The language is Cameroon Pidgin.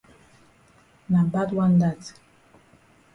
Na bad wan dat.